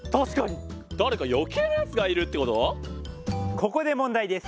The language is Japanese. ここでもんだいです！